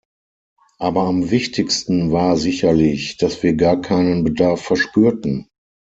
Aber am wichtigsten war sicherlich, dass wir gar keinen Bedarf verspürten.